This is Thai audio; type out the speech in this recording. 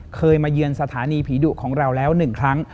เคยมาเยือนสถานีผีดุของเราแล้ว๑ครั้ง